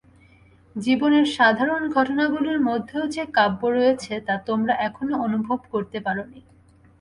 জীবনের সাধারণ ঘটনাগুলির মধ্যেও যে-কাব্য রয়েছে, তা তোমরা এখনও অনুভব করতে পারনি।